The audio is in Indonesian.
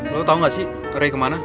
lo tau gak sih rey kemana